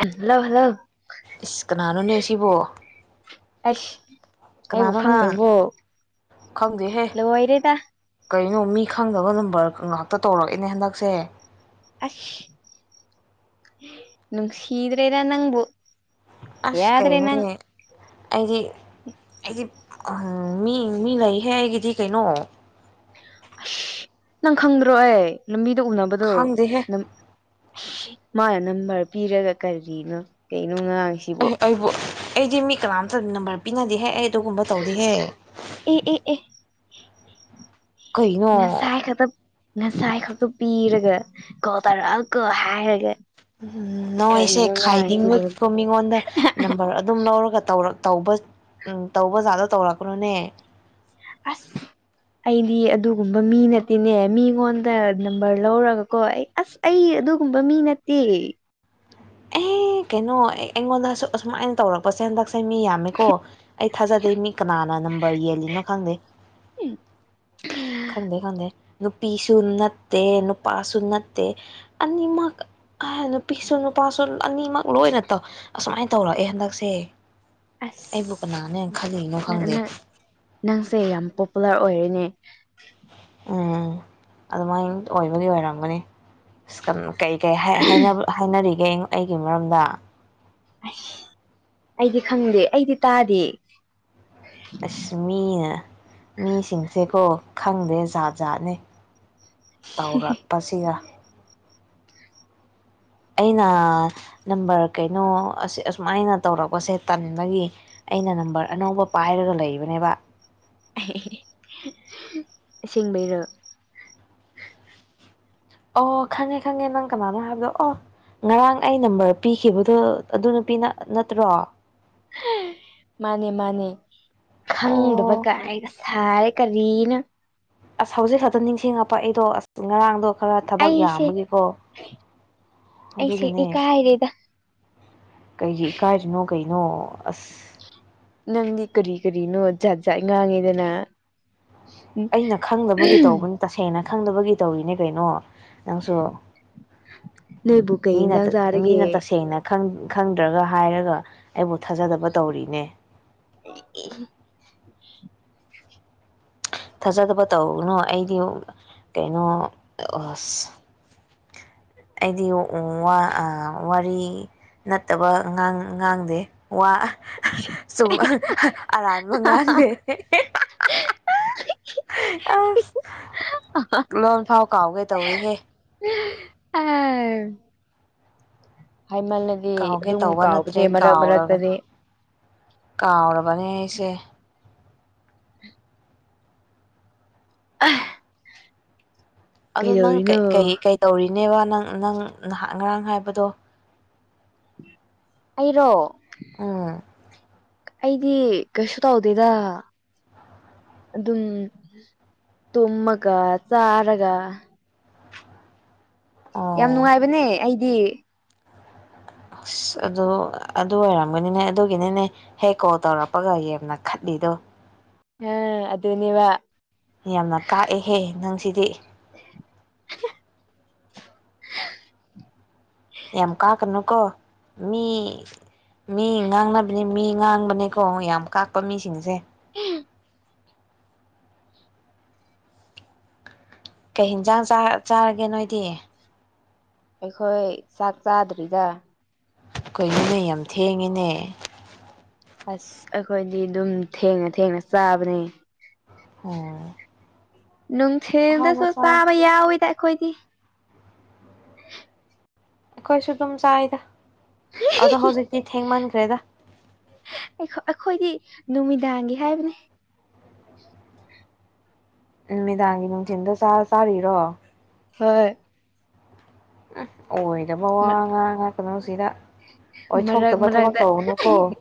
Hello hello ꯏꯁ ꯀꯅꯥꯅꯣꯅꯦ ꯁꯤꯕꯣ ꯑꯁ ꯑꯩꯕꯨ ꯀꯅꯥꯅꯣ ꯅꯪ ꯈꯪꯗ꯭ꯔꯕꯣ ꯈꯪꯗꯦꯍꯦ ꯂꯏꯔꯦꯗ ꯀꯩꯅꯣ ꯃꯤ ꯈꯪꯗꯕ ꯅꯝꯕꯔ ꯉꯥꯛꯇ ꯇꯧꯔꯛꯑꯦꯅꯦ ꯍꯟꯗꯛꯁꯦ ꯑꯁ ꯅꯪ ꯁꯤꯗ꯭ꯔꯦꯗ ꯅꯪꯕꯣ ꯑꯁ ꯌꯥꯗ꯭ꯔꯦ ꯀꯥꯏꯅꯦꯅꯦ ꯑꯩꯗꯤ ꯑꯩꯗꯤ ꯃꯤ ꯃꯤ ꯂꯩꯍꯦ ꯑꯩꯒꯤꯗꯤ ꯀꯩꯅꯣ ꯑꯁ ꯅꯪ ꯈꯪꯗ꯭ꯔꯣ ꯑꯦ ꯂꯝꯕꯤꯗ ꯎꯅꯕꯗꯣ ꯈꯪꯗꯦꯍꯦ ꯃꯥꯅ ꯅꯝꯕꯔ ꯄꯤꯔꯒ ꯀꯔꯤꯅꯣ ꯀꯩꯅꯣ ꯉꯥꯡꯁꯤ ꯑꯦꯍ ꯑꯩꯕꯨ ꯑꯩꯗꯤ ꯃꯤ ꯀꯅꯥꯝꯇ ꯅꯝꯕꯔ ꯄꯤꯅꯗꯤꯍꯦ ꯑꯩ ꯑꯗꯨꯒꯨꯝꯕ ꯇꯧꯗꯤꯍꯦ ꯑꯦ ꯑꯦ ꯑꯦ ꯀꯩꯅꯣ ꯁꯥꯏ ꯈꯗ ꯉꯁꯥꯏ ꯈꯛꯇꯣ ꯄꯤꯔꯒ ꯀꯣ ꯇꯥꯔꯛꯑ ꯀ ꯍꯥꯏꯔꯒ ꯎꯝ ꯅꯣꯏꯁꯦ ꯀꯔꯤꯅꯣ ꯉꯥꯡꯉꯤꯁꯤꯕꯣ ꯈꯥꯏꯗꯤꯡꯕꯒꯤꯀꯣ ꯃꯤꯉꯣꯟꯗ ꯅꯝꯕꯔ ꯑꯗꯨꯝ ꯂꯧꯔꯒꯧꯔ ꯇꯧꯕ ꯇꯧꯕ ꯖꯥꯗꯣ ꯇꯧꯔꯛꯄ꯭ꯔꯣꯅꯦ ꯑꯁ ꯑꯩꯗꯤ ꯑꯗꯨꯒꯨꯝꯕ ꯃꯤ ꯅꯠꯇꯦꯅꯦ ꯃꯤꯉꯣꯟꯗ ꯅꯝꯕꯔ ꯂꯧꯔꯒꯀꯣ ꯑꯩ ꯑꯁ ꯑꯩ ꯑꯗꯨꯒꯨꯝꯕ ꯃꯤ ꯅꯠꯇꯦ ꯑꯦ ꯀꯩꯅꯣ ꯑꯦ ꯑꯩꯉꯣꯟꯗꯁꯨ ꯑꯁꯨꯃꯥꯏꯅ ꯇꯧꯔ ꯄꯣꯠꯁꯦ ꯍꯟꯗꯛꯁꯦ ꯃꯤ ꯌꯥꯝꯃꯦꯀꯣ ꯑꯩ ꯊꯥꯖꯗꯦ ꯃꯤ ꯀꯅꯥꯅ ꯅꯝꯕꯔ ꯌꯦꯜꯂꯤꯅꯣ ꯈꯪꯗꯦ ꯈꯪꯗ ꯈꯪꯦ ꯅꯨ ꯄꯤꯁꯅ ꯅꯨꯄꯥꯥꯁ ꯑꯅꯤ ꯃꯥ ꯑꯍ ꯅꯨ ꯄꯤꯁꯅ ꯂꯨꯄꯥ ꯁꯨ ꯑꯅꯤꯃꯛ ꯂꯣꯏꯅ ꯇꯧ ꯑꯁꯨꯃꯥꯏꯅ ꯇꯧꯔꯛꯑꯦ ꯍꯟꯗꯛꯁꯦ ꯑꯩꯕꯨ ꯑꯁ ꯀꯅꯥꯅ ꯈꯜꯂꯤꯅꯣ ꯅꯪ ꯈꯪꯗꯦ ꯅꯪ ꯅꯪꯁꯦ ꯌꯥꯝ ꯄꯣꯄꯨꯂꯔ ꯑꯣꯏꯔꯤꯅꯦ ꯎꯝ ꯑꯗꯨꯃꯥꯏꯅ ꯑꯣꯏꯕꯨꯗꯤ ꯑꯣꯏꯔꯝꯒꯅꯤ ꯀꯩꯀꯩ ꯍꯥꯏꯅꯔꯤꯒꯦ ꯑꯩꯒꯤ ꯃꯔꯝꯗ ꯑꯁ ꯑꯩꯗꯤ ꯈꯪꯗꯦ ꯑꯩꯗꯤ ꯇꯥꯗꯦ ꯑꯁ ꯃꯤꯅ ꯃꯤꯁꯤꯡꯁꯦꯀꯣ ꯈꯪꯗꯦ ꯖꯥꯠ ꯖꯥꯠꯅꯦ ꯇꯧꯔꯛꯄꯁꯤꯒ ꯑꯩꯅ ꯅꯝꯕꯔ ꯀꯩꯅꯣꯁ ꯑꯁꯨꯃꯥꯏꯅ ꯇꯧꯔꯛꯄꯁꯦ ꯇꯟꯕꯒꯤ ꯑꯩꯅ ꯅꯝꯕꯔ ꯑꯅꯧꯕ ꯄꯥꯏꯔꯒ ꯂꯩꯕꯅꯦꯕ ꯁꯤꯡꯦꯡꯕꯩꯔꯣ ꯑꯣ ꯈꯪꯉꯦ ꯈꯪꯉꯦ ꯅꯪ ꯀꯅꯥꯅꯣ ꯍꯥꯏꯕꯗꯣ ꯑꯣ ꯉꯔꯥꯡ ꯑꯩ ꯅꯝꯕꯔ ꯄꯤꯈꯤꯕꯗꯣ ꯑꯗꯨ ꯅꯨꯄꯤꯅ ꯅꯠꯇ꯭ꯔꯣ ꯃꯥꯅꯦ ꯃꯥꯅꯦ ꯈꯪꯗꯕ ꯀꯥꯏꯒ ꯁꯥꯔꯦ ꯀꯔꯤꯅ ꯑꯁ ꯍꯧꯖꯤꯛ ꯈꯛꯇ ꯅꯤꯡꯁꯤꯡꯉꯛꯄ ꯑꯩꯗꯣ ꯑꯁ ꯉꯔꯥꯡꯗꯣ ꯈꯔ ꯊꯕꯛ ꯑꯩꯁꯦ ꯌꯥꯝꯕꯒꯤꯀꯣ ꯑꯗꯨꯒꯤꯅꯦ ꯇꯔꯤꯗ ꯀꯩꯒꯤ ꯏꯀꯥꯏꯗꯅꯣ ꯀꯩꯅꯣ ꯑꯁ ꯅꯪꯗꯤ ꯀꯔꯤ ꯀꯔꯤꯅꯣ ꯖꯥꯠ ꯖꯥꯠ ꯉꯥꯡꯉꯤꯗꯅ ꯎꯝ ꯑꯩꯅ ꯈꯪꯗꯕꯒꯤ ꯇꯧꯕꯅꯤ ꯇꯁꯦꯡꯅ ꯈꯪꯗꯕꯒꯤ ꯇꯧꯔꯤꯅꯦ ꯀꯩꯅꯣ ꯅꯪꯁꯨ ꯅꯣꯏꯕꯨ ꯀꯩ ꯃꯤꯅ ꯏꯟꯖꯥꯡ ꯆꯥꯔꯒꯦ ꯃꯤꯅ ꯇꯁꯦꯡꯅ ꯈꯪꯗ꯭ꯔꯒ ꯍꯥꯏꯔꯒ ꯑꯩꯕꯨ ꯊꯥꯖꯗꯕ ꯇꯧꯔꯤꯅꯦ [unintelligible] [inaudible] ꯊꯥꯖꯗꯕ ꯇꯧꯅꯨ ꯑꯩꯗꯤ ꯀꯩꯅꯣ ꯑ ꯑꯁ ꯑꯩꯗꯤ ꯋꯥꯔꯤ ꯅꯠꯇꯕꯥꯡ ꯉꯥꯡꯗꯦ ꯋꯥ ꯁꯨꯝ ꯑꯔꯥꯟꯕ ꯉꯥꯟꯗꯦ ꯑꯁ ꯂꯣꯟ ꯐꯥꯎ ꯀꯥꯎꯒꯦ ꯇꯧꯋꯤꯍꯦ ꯑ ꯍꯥꯏ ꯃꯜ ꯀꯥꯎꯒꯦ ꯑꯗꯨꯝ ꯇꯧꯕ ꯀꯥꯎꯕꯗꯦ ꯅꯠꯇ꯭ꯔꯦ ꯃꯔꯛ ꯃꯔꯛꯇꯗꯤ ꯀꯥꯎꯔꯕꯅꯦ ꯀꯥꯎꯔꯕꯅꯦ ꯑꯩꯁꯦ ꯑ ꯑꯗꯣ ꯅꯪ ꯀꯩꯗꯧꯔꯤꯅꯣ ꯀꯩ ꯀꯩ ꯇꯧꯔꯤꯅꯦꯕ ꯅꯪ ꯅꯪ ꯉꯍꯥꯛ ꯉꯔꯥꯡ ꯍꯥꯏꯕꯗꯣ ꯑꯩꯔꯣ ꯎꯝ ꯑꯩꯗꯤ ꯀꯩꯁꯨ ꯇꯧꯗꯦꯗ ꯑꯗꯨꯝ ꯇꯨꯝꯃꯒ ꯆꯥꯔꯒ ꯌꯥꯝ ꯑꯣ ꯅꯨꯡꯉꯥꯏꯕꯅꯦ ꯑꯩꯗꯤ ꯑꯁ ꯑꯗꯨ ꯑꯗꯨ ꯑꯣꯏꯔꯝꯒꯅꯤꯅꯦ ꯑꯗꯨꯒꯤꯅꯤꯅꯦ ꯍꯦꯛ ꯀꯣꯜ ꯇꯧꯔꯛꯄꯒ ꯌꯥꯝꯅ ꯈꯠꯂꯤꯗꯣ ꯍꯥꯥ ꯑꯗꯨꯅꯦꯕ ꯌꯥꯝꯅ ꯀꯥꯛꯑꯦꯍꯦ ꯅꯪꯁꯤꯗꯤ ꯌꯥꯝ ꯀꯥꯛꯀꯅꯨꯀꯣ ꯃꯤ ꯃꯤ ꯉꯥꯡꯅꯕꯅꯦ ꯃꯤ ꯉꯥꯡꯕꯅꯦꯀꯣ ꯌꯥꯝ ꯀꯥꯛꯄꯥ ꯃꯤꯁꯤꯡꯁꯦ ꯀꯩ ꯌꯦꯟꯖꯥꯡ ꯆꯥꯔ ꯆꯥꯔꯒꯦ ꯅꯣꯏꯗꯤ ꯑꯩꯈꯣꯏ ꯆꯥꯛ ꯆꯥꯗ꯭ꯔꯤꯗ ꯀꯔꯤꯅꯣꯅꯦ ꯌꯥꯝ ꯊꯦꯡꯉꯦꯅꯦ ꯑꯁ ꯑꯩꯈꯣꯏꯗꯤ ꯑꯗꯨꯝ ꯊꯦꯡꯅ ꯊꯦꯡꯅ ꯆꯥꯕꯅꯦ ꯑꯣ ꯅꯨꯡꯊꯤꯟꯗꯒ ꯆꯥꯕ ꯌꯥꯎꯋꯤꯗ ꯑꯩꯈꯣꯏꯗꯤ ꯑꯩꯈꯣꯏꯁꯨ ꯑꯗꯨꯝ ꯆꯥꯏꯗ ꯑꯗꯣ ꯍꯧꯖꯤꯛꯇꯤ ꯊꯦꯡꯃꯟꯈ꯭ꯔꯦꯗ ꯑꯩꯈꯣꯏꯗꯤ ꯅꯨꯃꯤꯗꯥꯡꯒꯤ ꯍꯥꯏꯕꯅꯦ ꯅꯨꯃꯤꯗꯥꯡꯒꯤ ꯅꯨꯡꯊꯤꯟꯗ ꯆꯥꯔꯤꯔꯣ ꯍꯣꯏ ꯑꯁ ꯑꯣꯏꯗꯕ ꯋꯥ ꯉꯥꯡꯑꯗꯅ [unintelligible] ꯁꯤꯗ ꯃꯔꯛ ꯑꯣꯏꯊꯣꯛꯇꯕ ꯊꯕꯛ ꯃꯔꯛꯇ ꯇꯧꯒꯅꯨꯀꯣ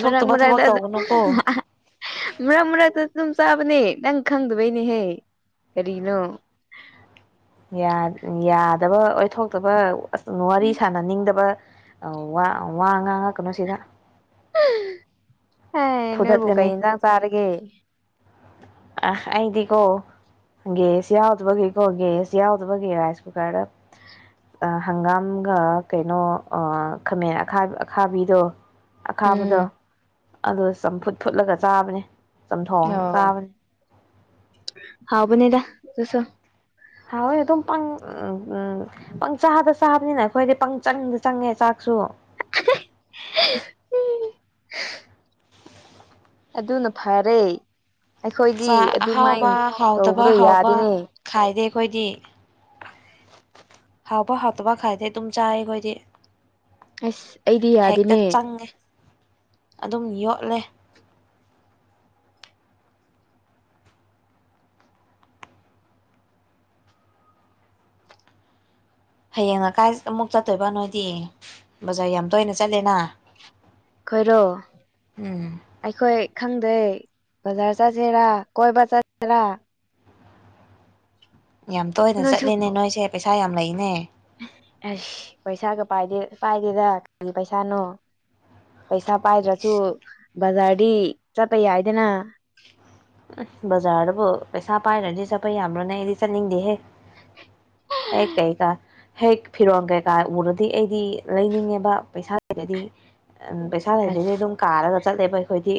ꯃꯔꯛ ꯃꯔꯛꯇ ꯊꯕꯛ ꯑꯗꯨ ꯇꯧꯒꯅꯨꯀꯣ ꯃꯔꯛ ꯃꯔꯛꯇꯁꯨ ꯑꯗꯨꯝ ꯆꯥꯕꯅꯦ ꯅꯪ ꯈꯪꯗꯕꯩꯅꯦꯍꯦ ꯀꯔꯤꯅꯣ ꯌꯥꯗꯕ ꯑꯣꯏꯊꯣꯛꯇꯕ ꯋꯥꯔꯤ ꯁꯅꯅꯤꯡꯗꯕ ꯑ ꯋꯥ ꯋꯥ ꯉꯥꯡꯉꯛꯀꯅꯣ ꯁꯤꯗ ꯑꯦ ꯅꯣꯢꯕꯨ ꯀꯩ ꯐꯨꯗꯠꯀꯅꯤ ꯌꯦꯟꯁꯥꯡ ꯆꯥꯔꯒꯦ ꯑꯥ ꯑꯩꯗꯤꯒꯣ ꯒꯦꯁ ꯌꯥꯎꯗꯕꯒꯤꯀꯣ ꯒꯦꯁ ꯌꯥꯎꯗꯕꯒꯤ ꯔꯥꯏꯁꯀꯨꯀꯥꯔꯗ ꯍꯪꯒꯥꯝꯒ ꯀꯩꯅꯣ ꯈꯥꯃꯦꯟ ꯑꯈꯥ ꯑꯈꯥꯕꯤꯗꯣ ꯎꯝ ꯑꯈꯥꯕꯗꯣ ꯑꯗꯨ ꯆꯝꯐꯨꯠ ꯐꯨꯠꯂꯒ ꯆꯥꯕꯅꯦ ꯆꯝꯊꯣꯡ ꯑꯣ ꯆꯥꯕꯅꯦ ꯍꯥꯎꯕꯅꯦꯗ ꯑꯗꯨꯁꯨ ꯍꯥꯎꯋꯦ ꯑꯗꯨꯝ ꯄꯪ ꯎꯝ ꯄꯪꯆꯥꯗ ꯆꯥꯕꯅꯤꯅ ꯑꯩꯈꯣꯏꯗꯤ ꯄꯪ ꯆꯪꯗ ꯆꯪꯉꯦ ꯆꯥꯛꯁꯨ ꯎꯝ [unintelligible] ꯑꯗꯨꯅ ꯐꯔꯦ ꯑꯩꯈꯣꯏꯗꯤ ꯆꯥꯛ ꯑꯗꯨꯃꯥꯏꯅ ꯑꯍꯥꯎꯕ ꯍꯥꯎꯇꯕ ꯇꯧꯕꯗꯣ ꯍꯥꯎꯕ ꯌꯥꯗꯦꯅꯦ ꯈꯥꯏꯗꯦ ꯑꯩꯈꯣꯏꯗꯤ ꯍꯥꯎꯕ ꯍꯥꯎꯇꯕ ꯈꯥꯏꯗꯦ ꯑꯗꯨꯝ ꯆꯥꯏ ꯑꯩꯈꯣꯏꯗꯤ ꯑꯁ ꯑꯩꯗꯤ ꯍꯦꯛꯇ ꯌꯥꯗꯦꯅꯦ ꯆꯪꯉꯦ ꯑꯗꯨꯝ ꯌꯣꯠꯂꯦ ꯍꯌꯦꯡ ꯀꯥꯏ ꯑꯃꯨꯛ ꯆꯠꯇꯣꯏꯕ ꯅꯣꯏꯗꯤ ꯕꯖꯥꯔ ꯌꯥꯝ ꯇꯣꯏꯅ ꯆꯠꯂꯦꯅ ꯑꯈꯣꯢꯔꯣ ꯎꯝ ꯑꯩꯈꯣꯏ ꯈꯪꯗꯦ ꯕꯖꯥꯔ ꯆꯠꯁꯤꯔꯥ ꯀꯣꯏꯕ ꯆꯠꯁꯤꯔꯥ ꯌꯥꯝ ꯇꯣꯏꯅ ꯅꯣꯏꯁꯨ ꯆꯠꯂꯦꯅꯦ ꯅꯣꯏꯁꯦ ꯄꯩꯁꯥ ꯌꯥꯝ ꯂꯩꯅꯦ ꯑꯁ ꯄꯩꯁꯥꯒ ꯄꯥꯏꯗꯦ ꯄꯥꯏꯗꯦꯗ ꯀꯔꯤ ꯄꯩꯁꯥꯅꯣ ꯄꯩꯁꯥ ꯄꯥꯏꯗ꯭ꯔꯁꯨ ꯕꯖꯥꯔꯗꯤ ꯆꯠꯄ ꯌꯥꯏꯗꯅ ꯑꯁ ꯖꯥꯔꯖꯕꯨ ꯄꯩꯁꯥ ꯄꯥꯏꯗ꯭ꯔꯗꯤ ꯆꯠꯄ ꯌꯥꯕ꯭ꯔꯣꯅꯦ ꯑꯩꯗꯤ ꯆꯠꯅꯤꯡꯗꯦꯍꯦ ꯑꯩ ꯀꯩ ꯒꯥ ꯍꯦꯛ ꯐꯤꯔꯣꯟꯜ ꯀꯩꯀꯥ ꯎꯔꯗꯤ ꯑꯩꯗꯤ ꯂꯩꯅꯤꯡꯉꯦꯕ ꯄꯩꯁꯥ ꯂꯩꯇ꯭ꯔꯗꯤ ꯎꯝ ꯄꯩꯁꯥ ꯑꯁ ꯂꯩꯇ꯭ꯔꯗꯤ ꯑꯗꯨꯝ ꯀꯥꯔꯒ ꯆꯠꯂꯦꯕ ꯑꯩꯈꯣꯏꯗꯤ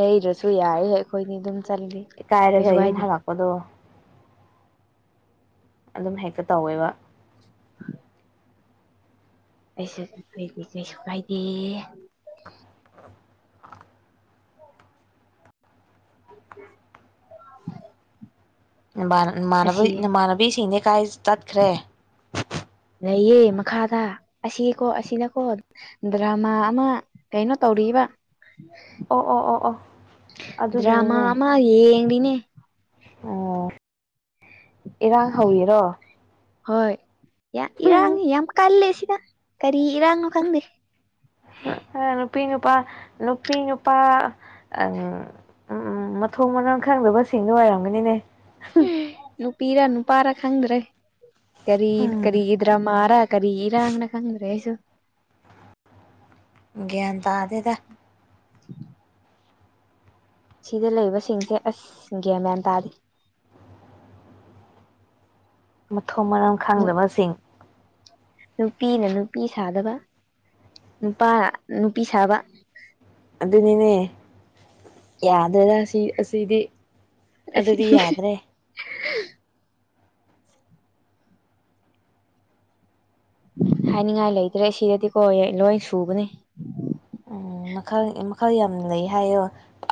ꯂꯩꯗ꯭ꯔꯁꯨ ꯌꯥꯋꯦ ꯑꯩꯈꯣꯏꯅꯤ ꯑꯗꯨꯝ ꯆꯠꯂꯤ ꯏꯀꯥꯏꯔꯒ ꯌꯨꯝ ꯍꯜꯂꯛꯄꯗꯣ ꯑꯗꯨꯝ ꯍꯦꯛꯇ ꯇꯧꯋꯦꯕ ꯀꯩꯁꯨ ꯀꯥꯏꯗꯦ꯫ [inaudible] ꯥꯅꯝꯕꯥꯟ ꯑꯁꯤ ꯅꯃꯥꯟꯅꯕꯩ ꯅꯃꯥꯟꯅꯕꯤꯁꯤꯡꯗꯤ ꯀꯥꯏ ꯆꯠꯈ꯭ꯔꯦ꯫ ꯂꯩꯌꯦ ꯃꯈꯥꯗ ꯑꯁꯤꯀꯣ ꯑꯁꯤꯅꯀꯣ ꯗ꯭ꯔꯃꯥ ꯑꯃ ꯀꯩꯅꯣ ꯇꯧꯔꯤꯕ꯫ ꯑꯣ ꯑꯣ ꯑꯣ ꯑꯣ ꯗ꯭ꯔꯃꯥ ꯑꯗꯨꯒꯤꯅꯤꯅꯦ ꯑꯃ ꯌꯦꯡꯔꯤꯅꯦ꯫ ꯑꯣ ꯏꯔꯥꯡ ꯍꯧꯏꯔꯣ꯫ ꯍꯣꯏ ꯌꯥꯝ ꯏꯔꯥꯡꯅꯤ ꯌꯥꯝ ꯀꯜꯂꯦ ꯁꯤꯗ ꯀꯔꯤ ꯏꯔꯥꯡꯅꯣ ꯈꯪꯗꯦ꯫ ꯅꯨꯄꯤ ꯅꯨꯄꯥ ꯅꯨꯄꯤ ꯅꯨꯄꯥ ꯑ ꯎꯝ ꯎꯝ ꯃꯊꯣꯡ ꯃꯔꯪ ꯈꯪꯗꯕꯁꯤꯡꯗꯣ ꯑꫭꯏꯔꯝꯒꯅꯤꯅꯦ꯫ ꯅꯨꯄꯤꯔ ꯅꯨꯄꯥꯔ ꯈꯪꯗ꯭ꯔꯦ ꯀꯔꯤ ꯎꯝ ꯀꯔꯤꯒꯤ ꯗ꯭ꯔꯃꯥꯔꯥ ꯀꯔꯤꯔꯥ ꯑꯪꯅ ꯈꯪꯗ꯭ꯔꯦ ꯑꯩꯁꯨ꯫ ꯒ꯭ꯌꯥꯟ ꯇꯥꯗꯦꯗ꯫ ꯁꯤꯗ ꯂꯩꯕꯁꯤꯡꯁꯦ ꯑꯁ ꯒ꯭ꯌꯦꯟꯃꯦꯅ ꯇꯥꯗꯦ꯫ ꯃꯊꯣꯡ ꯃꯔꯝ ꯈꯪꯗꯕꯁꯤꯡ꯫ ꯅꯨꯄꯤꯅ ꯅꯨꯄꯤ ꯁꯥꯗꯕ ꯅꯨꯄꯥ ꯅꯨꯄꯤ ꯁꯥꯕ꯫ ꯑꯗꯨꯅꯤꯅꯦ ꯌꯥꯗꯦꯗ ꯁꯤ ꯑꯁꯤꯗꯤ꯫ ꯑꯁꯤ ꯑꯗꯨꯗꯤ ꯌꯥꯗ꯭ꯔꯦ꯫ ꯍꯥꯏꯅꯤꯡꯉꯥꯏ ꯂꯩꯇ꯭ꯔꯦ ꯁꯤꯗꯗꯤꯀꯣ ꯌꯦꯛ ꯂꯣꯏ ꯁꯨꯕꯅꯤ꯫ ꯎꯝ ꯃꯈꯜ ꯃꯈꯜ ꯌꯥꯝ ꯂꯩ ꯍꯥꯏꯌꯣ꯫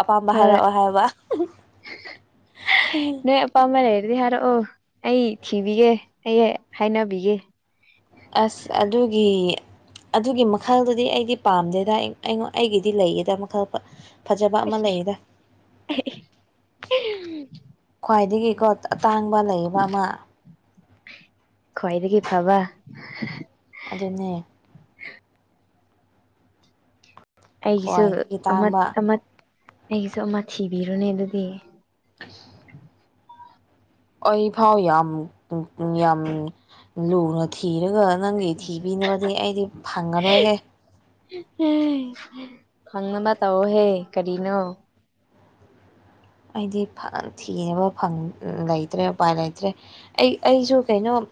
ꯑꯄꯥꯝꯕ ꯍꯣꯏ ꯍꯥꯏꯔꯛꯑꯣ ꯍꯥꯏꯕ꯫ ꯅꯣꯏ ꯑꯄꯥꯝꯕ ꯂꯩꯔꯗꯤ ꯍꯥꯏꯔꯛꯑꯣ ꯑꯩ ꯊꯤꯕꯤꯒꯦ ꯑꯩ ꯍꯥꯏꯅꯕꯤꯒꯦ꯫ ꯑꯁ ꯑꯗꯨꯒꯤ ꯑꯗꯨꯒꯤ ꯃꯈꯜꯗꯨꯗꯤ ꯑꯩꯗꯤ ꯄꯥꯝꯗꯦꯗ ꯑꯩ꯫ ꯑꯩꯉꫭ ꯑꯩꯒꯤꯗꯤ ꯂꯩꯌꯦꯗ ꯃꯈꯜ ꯐ ꯐꯖꯕ ꯑꯃ ꯑꯁ ꯂꯩꯌꯦꯗ꯫ ꯈ꯭ꯋꯥꯏꯗꯒꯤꯀꯣ ꯑꯇꯥꯡꯕ ꯂꯩꯕ ꯑꯃ꯫ ꯈ꯭ꯋꯥꯏꯗꯒꯤ ꯐꯕ꯫ ꯑꯗꯨꯅꯦ꯫ ꯑꯩꯒꯤꯁꯨ ꯈ꯭ꯋꯥꯏꯗꯒꯤ ꯑꯃ ꯇꯥꯡꯕ ꯑꯃ ꯑꯩꯒꯤꯁꯨ ꯑꯃ ꯊꯤꯕꯤꯔꫭꯅꯦ ꯑꯗꯨꯗꯤ꯫ ꯑꯩꯐꯥꯎ ꯌꯥꯝ ꯌꯥꯝ ꯂꯨꯅ ꯊꯤꯔꯒ ꯅꯪꯒꯤ ꯊꯤꯕꯤꯅꯕꯗꯤ ꯑꯩꯗꯤ ꯐꯪꯉꯔꯣꯏꯍꯦ꯫ ꯐꯪꯅꯕ ꯇꯧꯑꯣꯍꯦ ꯀꯔꯤꯅꯣ꯫ ꯑꯩꯗꯤ ꯐ ꯊꯤꯅꯕ ꯐꯪ ꯂꯩꯇ꯭ꯔꯦ ꯎꯄꯥꯏ ꯂꯩꯇ꯭ꯔꯦ꯫ ꯑꯩ ꯑꯩꯁꯨ ꯀꯩꯅꫭ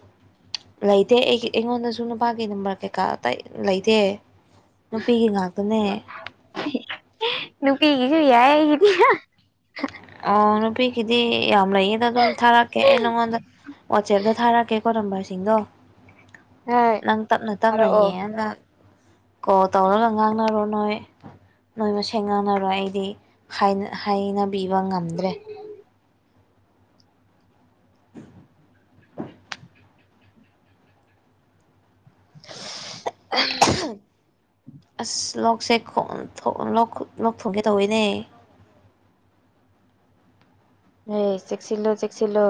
ꯂꯩꯇꯦ ꯑꯩ ꯑꯩꯉꯣꯟꯗꯁꯨ ꯅꯨꯄꯥꯒꯤ ꯅꯝꯕꯔ ꯀꯩꯀꯥ ꯑꯇꯩ ꯂꯩꯇꯦ꯫ ꯅꯨꯄꯤꯒꯤ ꯉꯥꯛꯇꯅꯦ꯫ ꯅꯨꯄꯤꯒꯤꯁꯨ ꯌꯥꯏ ꯑꯩꯒꯤꯗꯤ꯫ ꯑꯣ ꯅꯨꯄꯤꯒꯤꯗꯤ ꯌꯥꯝ ꯂꯩꯌꯦꯗ ꯑꯗꯨꯝ ꯊꯥꯔꯛꯀꯦ ꯑꯩ ꯅꯪꯉꯣꯟꯗ꯫ ꯋꯥꯆꯦꯞꯇ ꯊꯥꯔꯛꯀꯦꯀꯣ ꯅꯝꯕꯔꯁꯤꯡꯗꯣ꯫ ꯍꯣꯏ ꯅꯪ ꯇꯞꯅ-ꯇꯞꯅ ꯊꯥꯔꯛꯑꯣ ꯌꯦꯡꯉꯒ ꯀꯣꯜ ꯇꯧꯔꯒ ꯉꯥꯡꯅꯔꯣ ꯅꯣꯏ꯫ ꯅꯣꯏ ꯃꯁꯦꯡ ꯉꯥꯟꯅꯔꯣ ꯑꯩꯗꯤ ꯍꯥꯏꯅ ꯍꯥꯏꯅꯕꯤꯕ ꯉꯝꯗ꯭ꯔꯦ꯫ [unintelligible] [unintelligible] ꯑꯁ ꯂꯣꯛꯁꯦ ꯈꫭꯟ ꯊꫭꯡ ꯂꯣꯛ ꯊꯨꯡꯒꯦ ꯇꯧꯋꯦꯅꯦ꯫ ꯍꯦ ꯆꯦꯛꯁꯤꯜꯂꯣ-ꯆꯦꯛꯁꯤꯜꯂꯣ꯫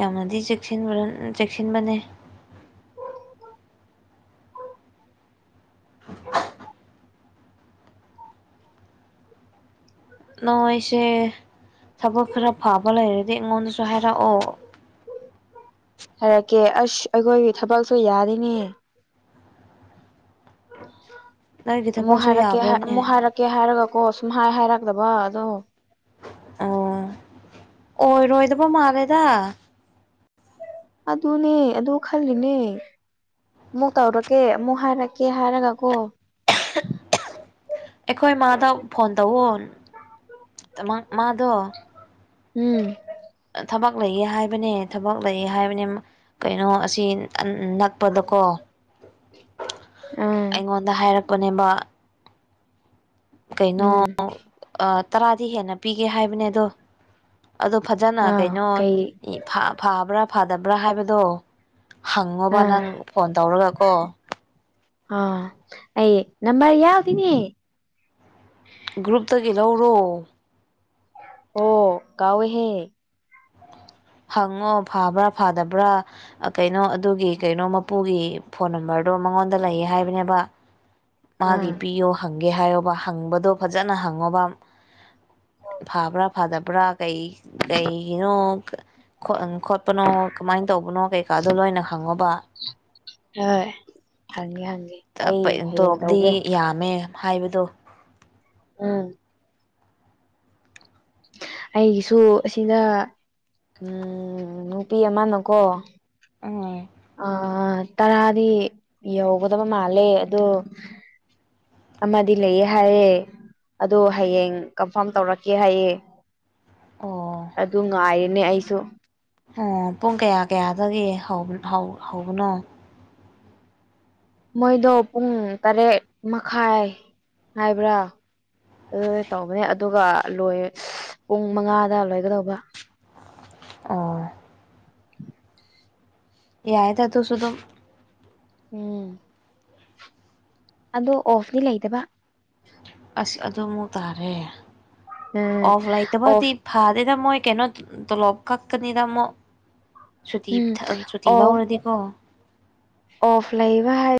ꯌꯥꯝꯅꯗꯤ ꯆꯦꯛꯁꯤꯟꯕꯔ ꯆꯦꯛꯁꯤꯟꯕꯅꯦ꯫ [unintelligible] ꯅꫭꯏꯁꯦ ꯊꯕꯛ ꯈꯔ ꯐꯥꯕ ꯂꯩꯔꯗꯤ ꯑꯩꯉꯣꯟꯗꯁꯨ ꯍꯥꯏꯔꯛꯑꯣ꯫ ꯍꯥꯏꯔꯛꯀꯦ ꯑꯁ ꯑꯩꯈꯣꯏꯒꯤ ꯊꯕꯛꯁꯨ ꯌꯥꯔꯤꯅꯦ꯫ ꯅꯣꯏꯒꯤ ꯑꯃꯨꯛ ꯊꯕꯛꯁꯨ ꯍꯥꯏꯔꯛꯀꯦ ꯍ ꯌꯥꯕ꯭ꯔꯣꯅꯦ ꯑꯃꯨꯛ ꯍꯥꯏꯔꯛꯀꯦ ꯍꯥꯏꯔꯒꯀꯣ ꯁꯨꯝ ꯍꯥꯏ ꯍꯥꯏꯔꯛꯇꯕ ꯑꯗꯣ꯫ ꯑꯣ ꯑꯣꯏꯔꯣꯏꯗꯕ ꯃꯥꯜꯂꯦꯗꯥ꯫ ꯑꯗꯨꯅꯦ ꯑꯗꯨ ꯈꯜꯂꯤꯅꯦ ꯑꯃꯨꯛ ꯇꯧꯔꯛꯀꯦ ꯑꯃꯨꯛ ꯍꯥꯏꯔꯛꯀꯦ ꯍꯥꯏꯔꯒ ꯀꯣ ꯑꯩꯈꯣꯏ ꯃꯥꯗ ꯐꯣꯟ ꯇꯧꯋꯣ ꯃꯥꯗꯣ ꯎꯝ ꯊꯕꯛ ꯂꯩꯌꯦ ꯍꯥꯏꯕꯅꯦ ꯊꯕꯛ ꯂꯩꯌꯦ ꯍꯥꯏꯕꯅꯦ ꯀꯩꯅꯣ ꯑꯁꯤ ꯅꯛꯄꯗꯀꯣ [inaudible] ꯑꯥ ꯑꯩꯉꯣꯟꯗ ꯍꯥꯏꯔꯛꯄꯅꯦꯕ ꯀꯩꯅꯣ ꯎꯝ ꯇꯔꯥꯗꯤ ꯍꯦꯟꯅ ꯄꯤꯒꯦ ꯍꯥꯏꯕꯅꯦ ꯑꯗꯣ ꯑꯗꯣ ꯐꯖꯅ ꯑꯥ ꯀꯩꯅꯣ ꯀꯩ ꯐꯕ꯭ꯔꯥ ꯐꯗꯕ꯭ꯔꯥ ꯍꯥꯏꯕꯗꯣ ꯍꯪꯉꯣꯕ ꯑꯥ ꯅꯪ ꯐꯣꯟ ꯇꯧꯔꯒ ꯀꯣ ꯑ ꯑꯩ ꯅꯝꯕꯝꯕꯔ ꯌꯥꯎꯗꯤꯅꯦ ꯒ꯭ꯔꯨꯞꯇꯒꯤ ꯂꯧꯔꯣ ꯑꯣ ꯀꯥꯎꯋꯦꯍꯦ ꯍꯪꯉꯣ ꯐꯕ꯭ꯔꯥ ꯐꯥꯗꯕ꯭ꯔꯥ ꯀꯩꯅꯣ ꯑꯗꯨꯒꯤ ꯀꯩꯅꯣ ꯃꯄꯨꯒꯤ ꯐꯣꯟ ꯅꯝꯕꯔꯗꯣ ꯃꯉꯣꯟꯗ ꯂꯩ ꯍꯥꯏꯕꯅꯦꯕ ꯃꯥꯒꯤ ꯑꯥ ꯄꯤꯌꯣ ꯍꯪꯒꯦ ꯍꯥꯏꯌꯣꯕ ꯍꯪꯕꯗꯣ ꯐꯖꯅ ꯍꯪꯉꯣꯕ ꯐꯥꯕ꯭ꯔꯥ ꯐꯥꯗꯕ꯭ꯔꯥ ꯀꯩ ꯀꯩꯒꯤꯅꯣ ꯈꯣꯠꯄꯅꯣ ꯀꯃꯥꯏꯅ ꯇꯧꯕꯅꯣ ꯀꯩꯀꯥꯗꯣ ꯂꯣꯏꯅ ꯍꯪꯉꯣꯕ ꯍꯣꯏ ꯍꯪꯒꯦ ꯍꯪꯒꯦ ꯑꯩ ꯍꯌꯦꯡ ꯇꯣꯂꯣꯞꯗꯤ ꯇꯧꯒꯦ ꯌꯥꯝꯃꯦ ꯍꯥꯏꯕꯗꯣ ꯎꯝ ꯑꯩꯒꯤꯁꯨ ꯑꯁꯤꯗ ꯅꯨꯄꯤ ꯑꯃꯅꯀꯣ ꯑꯥ ꯑ ꯇꯔꯥꯗꯤ ꯌꯧꯒꯗꯕ ꯃꯥꯜꯂꯦ ꯑꯗꯣ ꯑꯃꯗꯤ ꯂꯩꯌꯦ ꯍꯥꯏꯌꯦ ꯑꯗꯨ ꯍꯌꯦꯡ ꯀꯟꯐꯥꯔꯝ ꯇꯧꯔꯛꯀꯦ ꯍꯥꯏꯌꯦ ꯑꯣ ꯑꯗꯨ ꯉꯥꯏꯔꯤꯅꯦ ꯑꯩꯁꯨ ꯑꯣ ꯄꯨꯡ ꯀꯌꯥ ꯀꯌꯥꯗꯒꯤ ꯍꯧꯕ ꯍꯧ ꯍꯧꯕꯅꯣ ꯃꯣꯏꯗꯣ ꯄꯨꯡ ꯇꯔꯦꯠ ꯃꯈꯥꯏ ꯍꯥꯏꯕ꯭ꯔꯥ ꯑꯗꯨ ꯇꯧꯕꯅꯦ ꯑꯗꯨꯒ ꯂꯣꯏ ꯄꯨꯡ ꯃꯉꯥꯗ ꯂꯣꯏꯒꯗꯧꯕ ꯑ ꯌꯥꯏꯗ ꯑꯗꯨꯁꯨ ꯑꯗꯨꯝ ꯎꯝ ꯑꯗꯣ ꯑꯣꯐꯇꯤ ꯂꯩꯗꯕ ꯑꯁ ꯑꯗꯨꯃꯨꯛ ꯇꯥꯔꯦ ꯎꯝ ꯑꯣꯐ ꯂꯩꯇꯕꯗꯤ ꯑꯣꯐ ꯐꯗꯦꯗ ꯃꯣꯏ ꯀꯩꯅꯣ ꯇꯣꯂꯣꯞ ꯀꯥꯛꯀꯅꯤꯗ ꯃꯨꯛ ꯁꯨꯇꯤ ꯎꯝ ꯄꯤꯊ ꯁꯨꯇꯤ ꯑꯣꯐ ꯂꯧꯔꯗꯤꯀꯣ ꯑꯣꯐ ꯂꯩꯕ ꯍꯥꯏ